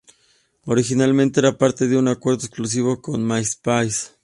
Originalmente era parte de un acuerdo exclusivo con MySpace.